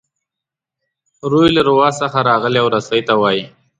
روي له روا څخه راغلی او رسۍ ته وايي.